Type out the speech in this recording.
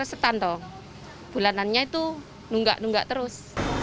setan tuh bulanannya itu nunggak nunggak terus